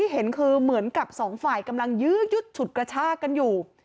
เหมือนกับสองฝ่ายกำลังยืดฉุดกระชากันอยู่